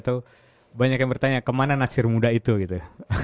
atau banyak yang bertanya kemana nasir muda itu gitu